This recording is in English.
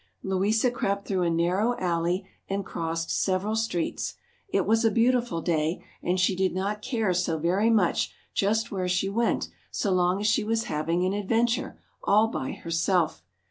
Louisa crept through a narrow alley and crossed several streets. It was a beautiful day, and she did not care so very much just where she went so long as she was having an adventure, all by herself.